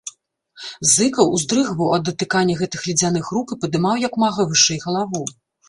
Зыкаў уздрыгваў ад датыкання гэтых ледзяных рук і падымаў як мага вышэй галаву.